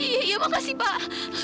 iya iya makasih pak